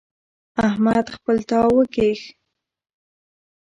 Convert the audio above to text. احمد خپل تاو وکيښ.